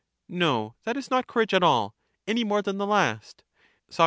No; that is not courage at all, any more than the last, Soc.